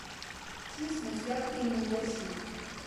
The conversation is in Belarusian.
Ціснуць, як ты ім не дасі.